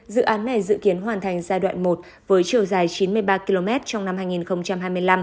dự án này dự kiến hoàn thành giai đoạn một với chiều dài chín mươi ba km trong năm hai nghìn hai mươi năm